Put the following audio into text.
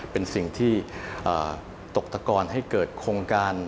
เป็นสิ่งที่ตกตะกอนให้เกิดโครงการ